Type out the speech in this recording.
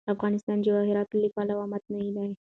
افغانستان د جواهراتو له پلوه متنوع دی.